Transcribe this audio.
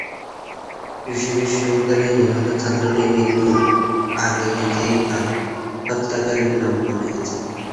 কৃষি বিশ্ববিদ্যালয়ে নিহত ছাত্রটি মৃত্যুর আগে নিজেই তাঁর হত্যাকারীদের নাম বলে গেছেন।